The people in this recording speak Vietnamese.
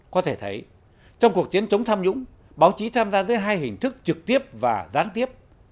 có thể thấy trong cuộc chiến chống tham nhũng báo chí tham gia dưới hai hình thức trực tiếp và gián tiếp